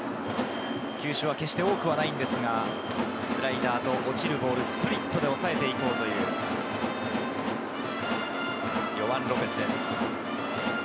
球種は決して多くないのですが、スライダーと落ちるボール、スプリットで抑えて行こうというロペスです。